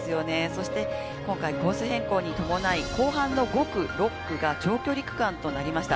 そして今回コース変更に伴い、後半の５区、６区が長距離区間となりました。